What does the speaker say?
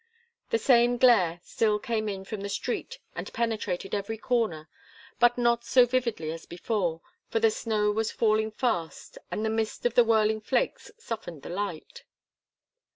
The same glare still came in from the street and penetrated every corner, but not so vividly as before, for the snow was falling fast, and the mist of the whirling flakes softened the light.